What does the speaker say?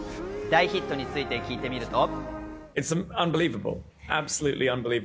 大ヒットについて聞いてみると。